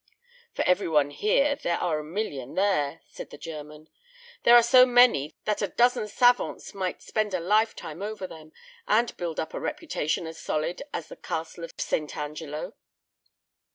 "For every one here there are a million there!" said the German. "There are so many that a dozen savants might spend a lifetime over them, and build up a reputation as solid as the Castle of St. Angelo."